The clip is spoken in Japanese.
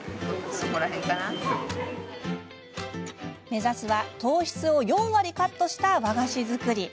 目指すは糖質を４割カットした和菓子作り。